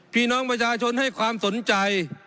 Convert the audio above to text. พี่น้องประชาชนให้ความสนใจ